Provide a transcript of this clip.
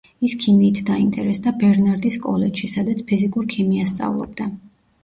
ის ქიმიით დაინტერესდა ბერნარდის კოლეჯში, სადაც ფიზიკურ ქიმიას სწავლობდა.